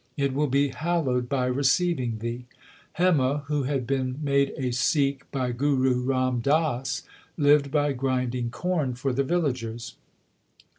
It will be hallowed by receiving thee/ Hema, who had been made a Sikh by Guru Ram Das, lived by grinding corn for the villagers.